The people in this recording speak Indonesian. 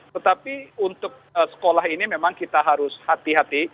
tetapi untuk sekolah ini memang kita harus hati hati